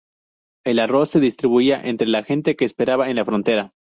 El arroz se distribuía entre la gente que esperaba en la frontera.